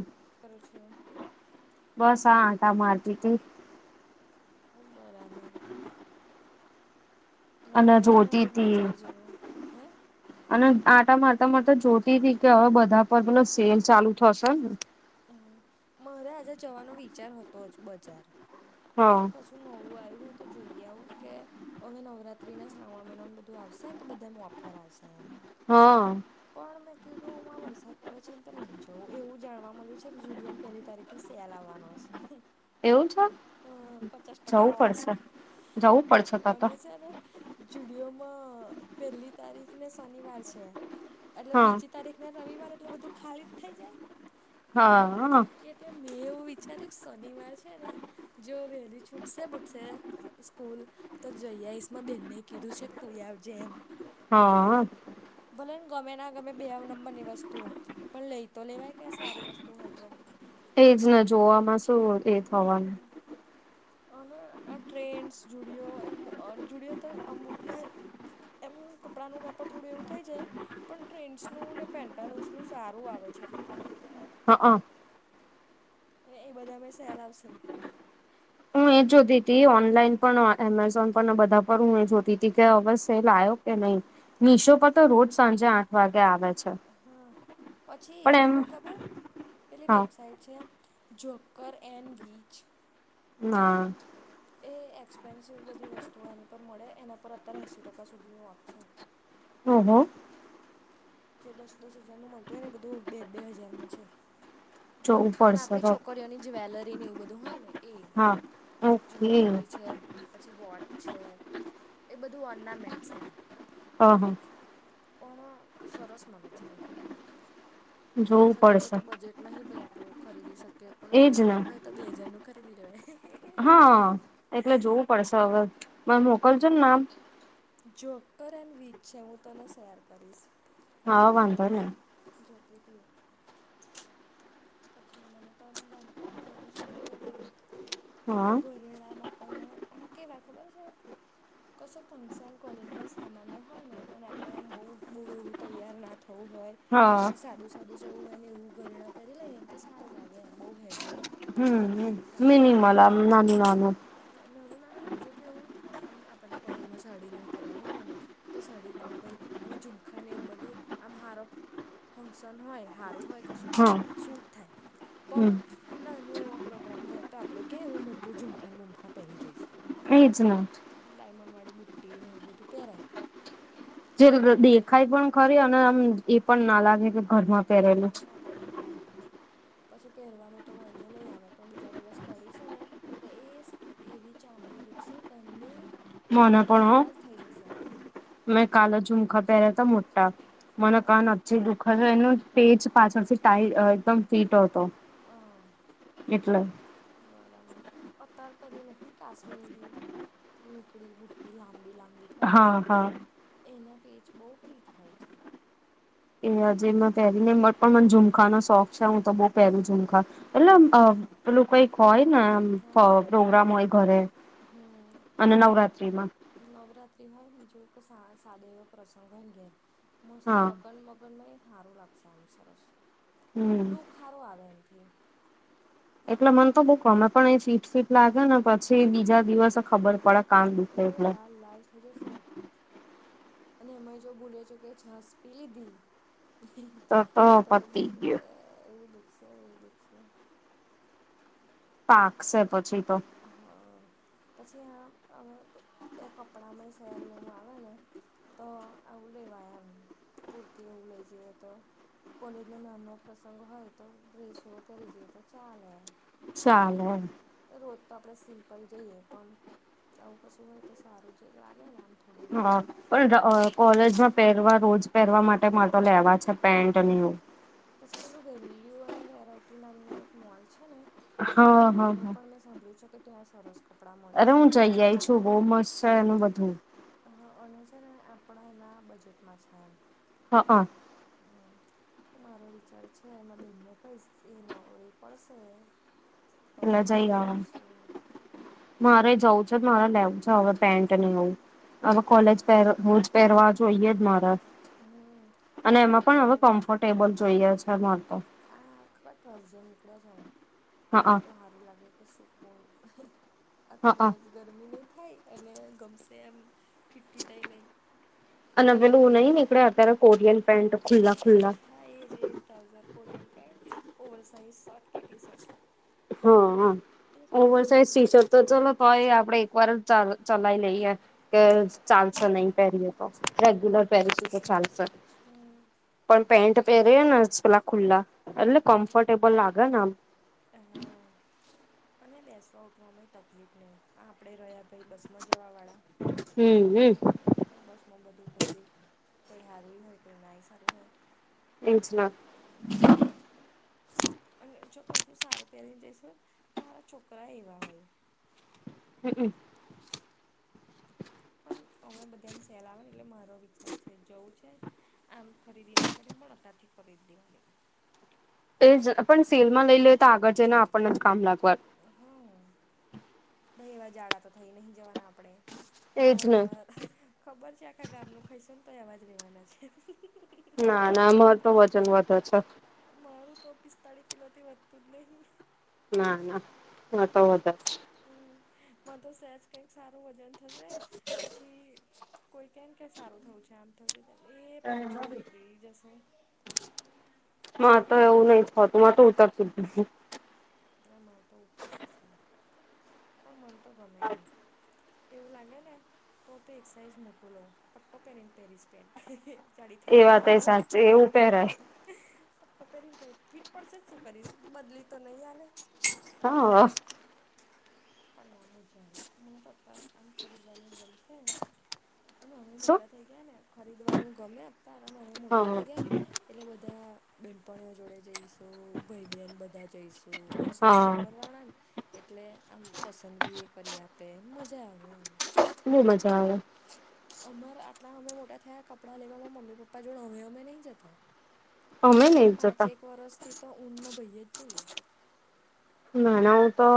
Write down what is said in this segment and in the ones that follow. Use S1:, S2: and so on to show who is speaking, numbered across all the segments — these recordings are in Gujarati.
S1: હમ
S2: કર છ [unintelligible]
S1: બસ આા આટા મારતી હતી.
S2: હ બરાબર
S1: અને
S2: મારે છે ને
S1: જોતી
S2: આજે
S1: તી
S2: બજાર જવાનું હે?
S1: અને આટા મારતા મારતા જોતી હતી કે હવે બધા પર પ સેલ ચાલુ થશે ને.
S2: મારે આજે જવાનો વિચાર હતો જ બજાર
S1: હા
S2: કે કશું. શું નવું આવ્યું હોય તો જોઈએ આવું કે હવે નવરાત્રી ના શ્રાવણ મહિનાને બધું આવશેને તો બધા એમ ઓફર આવશે એમ.
S1: હા.
S2: પણ મેં કીધું હું આ વરસાદ પડે છેને તો નહીં જ જો એવું જાણવા મળ્યું છે કે જુડિયોમાં પેલી તારીખે સ્યાલ આવવાનો છે.
S1: એવું છે
S2: હ પચાસ ટકા
S1: જવું પડશે જવું પડશે
S2: ઓ
S1: ત તો
S2: અને છેને. જુડિયોમાં પહેલી તારીખ ને સનિવાર છે એટલે
S1: હા
S2: બીજી તારીખ રવિવાર એટલે બધું ખાલી જ થઈ જાય.
S1: હા.
S2: એટલે મેં એવું વિચાર્યું શનિવાર છે ને જો વરી છુટસે બુટસે સ્કૂલ. તો જઈઈસ માં બેનને કીધું છે તું ાર જેમ.
S1: હા.
S2: ભલેને ગમે ના ગમે બે નંબર ની વસ્તુ. પણ લઈ તો લેવાય કઈ સારી વસ્તુ હોય તો.
S1: એજ ને જોવામાં શું એ હોવાનું.
S2: હમ્મ. અને આ ટ્રેન્સ જુડિયો એ જુડિયો તો અમુક વાર. એમ કપડાંનું કાપડ થોડું એવું થઈ જાય. પણ ટ્રેન્ડસનું ને પેન્ટાલન્સનું સારું આવે છે કપડું.
S1: હા હ.
S2: અને એ બધા અ સ્યાલ આવશે.
S1: હું એજ જોતી તી ઓનલાઈન પણ એમેઝોન પણ બધા પર હું એ જોતી હતી કે હવે સેલ આવ્યો. કે નહી મશોપ તો રોજ સાંજે આઠ વાગે આવે છે.
S2: હા પછી
S1: પણ એમ
S2: પેલું ખબર પેલી
S1: હા
S2: વેબસાઈટ છે. જોકર એડવીીચ.
S1: હ.
S2: એ એક્સપેન્સિવ બધી વસ્તુઓ એની પર મળે એના પર અત્યારે એંસીી ટકા સુધીની વાફ છે.
S1: હમ હમ.
S2: જે દસ દસ હજાર નું મળતું એને બધું બે બે હજાર ન છે.
S1: જોવું
S2: પણ
S1: પડશે
S2: આપણી
S1: હ
S2: છોકરીઓની જ્વેલરી એવું બધું હોય ને એ
S1: હા ઓકે
S2: જવેલરી
S1: હ
S2: છે. પછી વોચ છે એ બધું ઓર્નામેન્ટ એમ.
S1: હા હા.
S2: પણ સરસ મળે છે એમ દસ
S1: જોવું
S2: હજાર નું તો
S1: પડશે
S2: બજેટ. નહીં ભાઈ આપડું ખરીદી શકીએ પણ આવું
S1: એજ ને
S2: સેલ હોય તો બે હજાર નું ખરીદી લેવાય.
S1: હા એટલે જોવું પડશે હવે મ મોકલજો ને નામ.
S2: જોક્કર એન વચ છે હું તને શેર કરીશ કલે.
S1: હા વાંધો નહી
S2: જ્યોતિથીએ. પછી મને, તમે ગમતું તું, બધું સારું હતું.
S1: હા
S2: બધા ઘરેણામાં આપણને આમ, કેવા ખબર હ છે, કસો. ફંક્શન કોલેજમાં સામાન્ય હોય ને, અને આપણે આમ બહુ બહુ એવું તૈયાર ના થવું હોય.
S1: હા
S2: અને સાદું સાદું જેવું હોય ને, એવું ઘરેણા પહેરી લઈએ ને, તો સારું લાગે, એમ બહુ હેવી લાગે.
S1: હમ, મિનીમાલા નાનું નાનું.
S2: હ, નાનુ નાનુ બીજું કે એવું, આમ આપણને કોલેજમાં સાડીને એવું પહેરવાનું હોય ને. તો સાડી પર, ભાઈ, અમે ઝુમખા ને એવું બધું, આમ હારો. ફંક્શન હોય, સારું હોય, કશું તો
S1: હા
S2: શૂટ થાય.
S1: હમ
S2: પણ નાનું એવો પ્રોગ્રામ હોય, તો આપણને કે એવું મોટું ઝુમખાન બુમખા પહેરી જઈશું?
S1: એ જ ને.
S2: એ ડાયમંડ વાળી બુટ્ટી ને, એવું બધું પહેરાય.
S1: જે દેખાય પણ ખરી, અને આમ એ પણ ના લાગે કે ઘરમાં
S2: વેટ
S1: પહેરેલું.
S2: ના લાગે હા, પછી પહેરવાનું તો વાંધો નહીં આવે, પણ બીજા દિવસ કરીશું ને. તો એ એવી ચામડી દુખશે ઘણી.
S1: મને પણ હો, મેં કાલ ઝુમખા પહેર્યા તો મોટા. મને
S2: ઓહ
S1: કાન એ દુખાય, એનું પછી પાછળથી ટાઈટ એકદમ ફીટ હતો.
S2: હા.
S1: એટલે
S2: બરાબર. ઓ, તારે પેલી કાશ્મીરી? નીકળી બુ્ટટી લાંબી-લાંબી. ખબર છે,
S1: હા હા
S2: એના પેજ બહુ ફીટ હોય છે.
S1: એ હજી પહેરીને ખબર પણ. મને ઝુમખા નો શોખ છે, હું તો બઉુ પહેરું ઝુમખા. એટલે
S2: એમાં જોડે છે
S1: પેલું કંઈક હોય ને
S2: હા
S1: પ્રોગ્રામ હોય ઘરે.
S2: હમ.
S1: અને નવરાત્રી માં.
S2: નવરાત્રી હોય બીજો સાદો એવો પ્રસંગ હોય ને ઘેર. મસ્ત,
S1: હા
S2: લગન-મગનમા હારું લાગે. બહુ સરસ
S1: હમ
S2: લુક, સારું આવે એમાંથી.
S1: એટલે મન તો બઉુ ગમે, પણ એ ફિટ ફિટ લાગે ને, પછી બીજા દિવસે ખબર પડે. કાન દુખે
S2: એ
S1: એટલે
S2: લાલ-લાલ થઇ જશે. અને અમે જો બોલુ છુ કે, છાસ પી લીધી.
S1: તો
S2: તો
S1: પતી ગયું
S2: દુખશે, એવું દુઃખશે, એવું દુઃખશે.
S1: પાકશે, પછી તો.
S2: હા, પછી આ હવે એ કપડાંમાંય સહેલું ને, એવું આવે ને. તો આવું લેવા, આમ કુર્તી એવું લઈ જઈએ તો. કોલેજ નો નાનો પ્રસંગ હોય, તો ડ્રેસ એવો પહેરી જઈએ, તો ચાલે.
S1: સાલે.
S2: રોજ તો આપણેે સિમ્પલ જઈએ, પણ. આવું કશું હોય, તો સારું છે લાગે ને, આમ થોડું.
S1: હા, પણ કોલેજમાં પહેરવા, રોજ પહેરવા માટે મારે તો લેવા છે પેન્ટ.
S2: પછી પેલું વેલ્યુ અને વેરાયટી નામનું એક મોલ છે ને,
S1: હા હા
S2: ત્યાંનું
S1: હા
S2: પણ મે. સાંભળી છે કે, ત્યાં સરસ. કપડાં મળે
S1: અરે,
S2: છે
S1: હું જઈ આઈ છું. બહુ મસ્ત છે, એનું બધું.
S2: અને છે ને, આપણાના બજેટમાં છે, એમ.
S1: હા, હ.
S2: હમ. તો મારો વિચાર છે, એમાં બેનને કહીશ. એ નવરી પડશે. તો
S1: એલા
S2: અમે
S1: જઈ.
S2: આવશું
S1: મારે જવું છે. મારે લેવું છે હવે પેન્ટ અને એવું. હવે કોલેજ પહેર પહેરવા જોઈએ જ, મારા.
S2: હમ.
S1: અને
S2: તો
S1: એમાં
S2: આપણે
S1: પણ હવે
S2: રોજ
S1: કમ્ફર્ટેબલ જોઈએ છે પણ
S2: આ ખબર ટ્રાઉઝર નીકળ્યા છે એમ આમને
S1: હઅ
S2: તો હાર રુ લાગે કે સુકુણ આખો
S1: હઅ
S2: દિવસ ગરમી નહીં થાય અને ગમશે એમ ફિટ ફીટાય નહીં
S1: અને પેલું નહી નીકળે અત્યારે કોરિયન પેન્ટ ખુલ્લા ખુલ્લા
S2: હા એ જે એ trouser Korean pant over size shirt કે ટી શર્ટ
S1: હા હ ઓવર સાઇઝ
S2: એટલે
S1: ટી શર્ટ તો ચલો તોય આપડે એક વાર જ ચ ચલાવી લઈએ કે ચાલશે નહી પરીએ તો રેગ્યુલર પેરીસ તો ચાલશે.
S2: હમ
S1: પણ પેન્ટ પહેરી ને પેલા ખુલ્લા એટલે કમ્ફર્ટેબલ લાગે ને આમ.
S2: હા અને બેસ. તોઠવામાં તકલીફ નહીં આ આપણે રહ્યા ભાઈ બસમાં જવાળા.
S1: હમ્મ હું.
S2: તો બસમાં બધું પબ્લિક કોઈ સારું હોય કોઈ નાહી સારું હોય.
S1: એમ જ ના.
S2: અને જો બધું સારું પહેરીને જઈશ હોય ને તોારા છોકરા એવા હોય.
S1: હમમ.
S2: પણ અમે બધાને સહેલાવે ને એટલે મારો વિચાર છે જોવું છે. આમ ખરીદી ના કરે પણઅતારથી કરી દેવાની.
S1: એ જ પણ સેલ માં લઈ લે તો આગળ જઈને આપણને જ કામ લાગવા.
S2: હા. ભાઈ એવા જાડા તો થઈ નહી જવાના આપડણે
S1: એજ ને
S2: આવવાનવા. ખબર છે આખા ગામ ન ખાઈશને તોય અવાજ રેવાના છે.
S1: ના ના અમાર તો વજન વધો છે.
S2: મારું તો પિસ્તાળી કિલો થી વધતું જ નહી.
S1: ના ના હ તો હોદ.
S2: હમ્મ, મા તો સેજ કંઈક સારું વજન થશે પછી કોઈ કેમ કે સારું થવું છે આમ થવું છે ત એ પાછું ઉતરી જશે.
S1: મા તો એવું નહી થતું મા તો ઉતરતું નથ.
S2: એ માન તો ઉતરી જશે, પણ મન તો ગમે એમ. એવું લાગે ને તો તો એક સાઇઝ મોટું લઉં પટ્ટો પહેરીને પેરીસ પેન્ટ. ચડી થઇજ
S1: એ વાત
S2: તો.
S1: એ સાચી એવું પહેરાય
S2: પપ્પ પેરી પેરી ફીટ પડશે જ શું કરીશ બદલી તો નહીં આલે.
S1: હા.
S2: પણ ના મજા આવેયું મને
S1: શું
S2: તો અત્યારે એમ ખરીદવાનું ગમ છે પણ હવે મોટા થઈ ગ ગયા ને ખરીદવાનું ગમે અત્યારે પણ હવે મોટા
S1: હા
S2: થયા ગિયા ને એટલે બધા બનપણીઓ જોડે જઈશું, ભાઈ બહેન બધા જઈશ તો અ સરખી
S1: હા
S2: ઉંમરવાળા ને એટલે આમ પસંદ બી એ કરી આપે એમ મજા આવે એમ
S1: એટલું મજા આવે.
S2: અમાર આટલા અમે મોટા થયા કપડાં લેવાવામાં મમ્મી પપ્પા જોડ હવે અમે નહી જતા.
S1: અમે
S2: છેલ્લા
S1: નહી જતા
S2: પાંચેક વર્ષથી તો ઉ ને ભય જ જઈએ.
S1: ના ના હું તો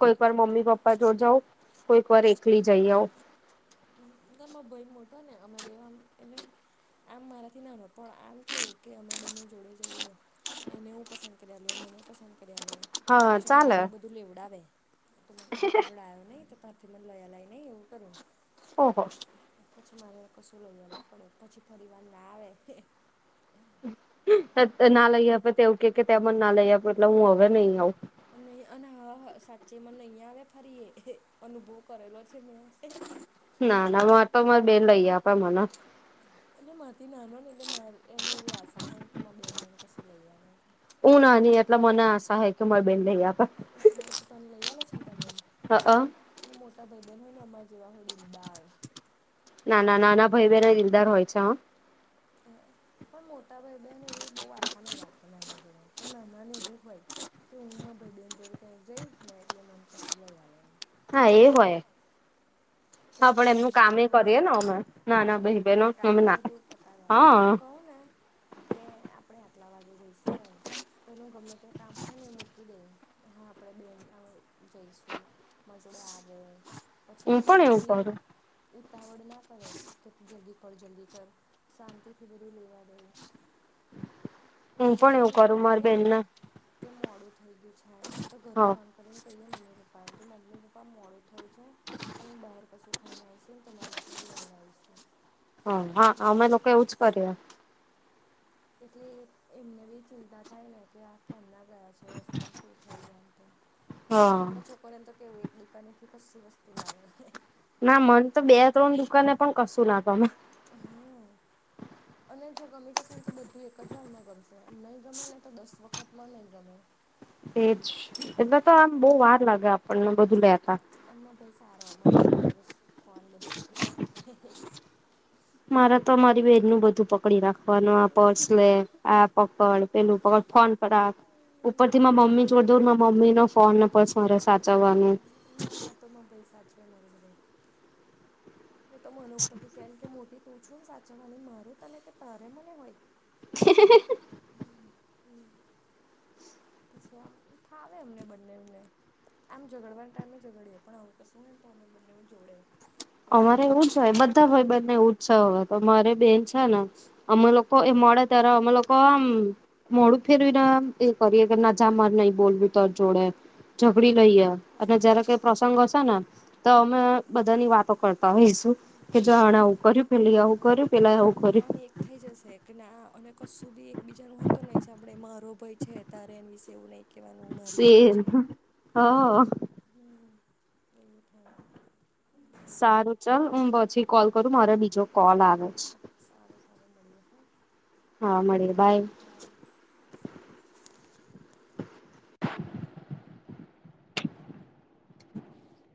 S1: કોઈક વાર મમ્મી પપ્પા જોડ જાઉં કોઈ એક વાર એકલી જઈ આવું
S2: તમ ભાઈ મોટો ને અમે બેમ એને આમ મારાથી નાનો પણ આમ કેવું કે અમે બંને જોડે જઈએ. એને હું પસંદ કર્યાલ એ મને પસંદ કર્યા લે.
S1: હા
S2: પાછું મારી
S1: ચાલે
S2: જોડે બધું લેવડાવે તો હું તારે જોડે આવ્યો નહી પછી મને લયાએ લઇ નહી એવું કરે.
S1: ઓહો.
S2: પછી મારે કશું લઈ આવવું પડે પછી ફરીવાર ના આવે.
S1: ના લઈ આપે તેવું કે કે ત્યાં મ ના લઈ આપે એટલે હું હવે નહી આવું.
S2: નહી અને હા સાચેમાં નહીં આવે ફરી એ અનુભવ કરેલો છે મેં.
S1: ના ના મો તો બેન લઈ આપે મને.
S2: એટલે માથી નાનો ને એટલે મા એને એવી આશા હોય ને કે બેહેન મ કશું લઈ
S1: ઉ નાનો એટલે મન આશા હે કે મન બેન લય આપે.
S2: હા તો તને લઈ આ લે છે ને તાર બેેન.
S1: હ
S2: એટલે મોટા ભાઈ બહેન હોય ને અમાર જેવા હોય દિલદાર.
S1: નાના નાના ભાઈ બહેનો દિલદાર હોય છે હા.
S2: પણ મોટા ભાઈ બહેન એવી બહુ આશા નહી રાખે નાના જોડે, પણ નાના ને એવું હોય. કે હું મા ભાઈ બેન જોડે કંક જઈશને એટલે મન કસુ લઈ આલે એમ.
S1: હા એ હોય.
S2: જે
S1: હા પણ
S2: મોટા ભાઈ
S1: એમનું કામ
S2: બહેનને
S1: એ
S2: એવું
S1: કરીએ
S2: નહીં
S1: ને અમે ના ના
S2: હા
S1: ભાઈ બેહેનો અમે
S2: કામ
S1: ના
S2: બધું
S1: હા
S2: હું કહું ને કે આપણે આટલા વાગે જઈશું એમ. તોનું ગમે ત્યાં માર જોડે આવે
S1: હું
S2: પછી એ
S1: પણ એવું કરું
S2: ઉતાવળ ના કરે કે તું જલ્દી કર જલ્દી કર. શાંતિથી બધું લેવા દઈ.
S1: હું
S2: પછી
S1: પણ
S2: છે ને એવું
S1: કરું મારી
S2: લાગે ને
S1: બેનને
S2: કે મોડું થઈ ગયું છે એમ તો ઘરે
S1: હા
S2: ફણ ખરે એમ કહીએ મમ્મીપ્પા એમ કે મમ્મ પપ્પા મોડુ થયું છે. અમે બહાર કશું ખાઈને આવીશું ને તમારા માટે લઈને આવીશું.
S1: હા હા અમે લોકો એવું જ કરીએ.
S2: એટલે એમને બી ચિંતા થાય ને કે આ કેમના ગયા છે, રસ્તામાં શું થયુ આમતેમ. અને
S1: હા
S2: આપડા છોકરીઓ ન તો કેવું એક દુકાનેથી કસી વસ્તુ ના આવે
S1: ના મને તો બે ત્રણ દુકાનને પણ કશું ના તમે
S2: હા અને જો ગમી જશે ને તો બધું એક જ વારમાં ગમેશે નહીં ગમે ને તો દસ વખતમાં નહીિ ગમે
S1: એજ એટલા તો આમ બહુ વાર લાગે આપણને બધું લેતા
S2: અનેમાં ભાઈ સારો અમારું પસ ફોન બધું પકડી રાખે
S1: મારા તો અમારી બેન નું બધું પક પકડી રાખવાનું આ પર્સ લે આ પકડ પેલું પકડ ફોન પર ઉપર થી મા મમ્મી જોડ દઉ મા મમ્મી નો ફોન ને પસ મારે સાચવવાનું.
S2: ના માં તો ભાઈ સાચવે મારો બધ એ તો મનો ઉપરથી છે એ કે મોટી તું છું ને સાચવવાની મારે તને કે તારે મને હોય.
S1: હ હ
S2: હ પછી આમ ફાવે અમને બંનેને આમ જઝગડવાના ટાઈમે જઝગડીએ પણ આવું કશું હોયને તો અમે બંને જોડે અને
S1: અમારે
S2: કોઈ
S1: એવું જ હોય બધા હોય બને એસાહ હોય તો મારે બેન છે ને અમે લોકો એ મોડા તાર અમ લોકો આમ મોડું ફેરવીને એ કરીએ કે ના જા માર નહી બોલવું તો જોડે ઝઘડી લઈએ અને જયારે કઈ પ્રસંગ હશે ને તો અમે બધાની વાતો કરતા હોઈશું કે જોડ આવવું કર પેલી આવું કર પેા એું
S2: અને
S1: કરી
S2: આમ એક થઈ જશે કે ના અને કશું બી એકબીજા ન હોય તો નહી સાંભળે રોબય છે તારે એન વિશે ઉ ન
S1: સેમ હ.
S2: હ એવું થાય
S1: સારું ચાલ હું પછી કોલ કરું મારે બીજો કોલ આવે છે.
S2: સારું સારું મળડીએ હા.
S1: હા મળીએ બાય.